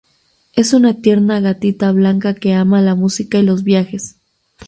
Es una tierna gatita blanca que ama la música y los viajes.